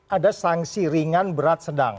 ada sanksi ringan berat sedang